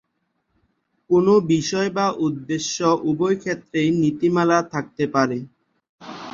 কোন বিষয় বা উদ্দেশ্য উভয়ক্ষেত্রেই নীতিমালা থাকতে পারে।